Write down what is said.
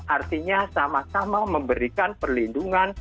artinya sama sama memberikan perlindungan